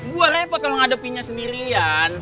gua repot kalo ngadepinnya sendirian